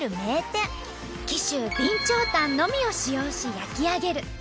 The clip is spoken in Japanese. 紀州備長炭のみを使用し焼き上げる。